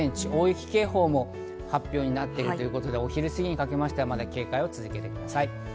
大雪警報も発表になっているということでお昼過ぎにかけて警戒を続けてください。